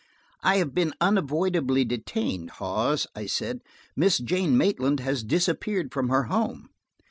"I've been unavoidably detained, Hawes," I said, "Miss Jane Maitland has disappeared from her home."